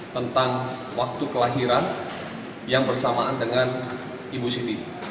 tentang waktu kelahiran yang bersamaan dengan ibu siti